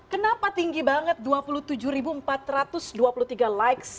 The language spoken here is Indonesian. kenapa tinggi banget dua puluh tujuh empat ratus dua puluh tiga likes